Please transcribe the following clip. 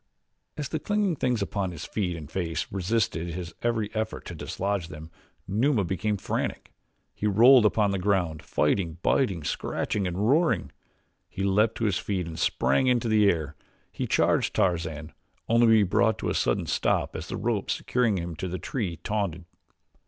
As the clinging things upon his feet and face resisted his every effort to dislodge them, Numa became frantic. He rolled upon the ground, fighting, biting, scratching, and roaring; he leaped to his feet and sprang into the air; he charged Tarzan, only to be brought to a sudden stop as the rope securing him to the tree tautened.